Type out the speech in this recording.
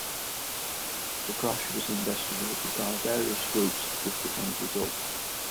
The crash was investigated by various groups, with different results.